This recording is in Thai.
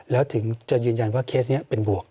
แล้วถึงจะยืนยันว่าเคสนี้เป็นบวก